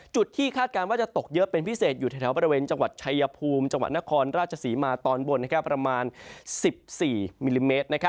ที่คาดการณ์ว่าจะตกเยอะเป็นพิเศษอยู่แถวบริเวณจังหวัดชายภูมิจังหวัดนครราชศรีมาตอนบนประมาณ๑๔มิลลิเมตร